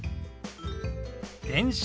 電車。